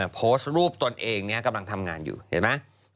โพสต์รูปตนเองกำลังทำงานอยู่เห็นไหม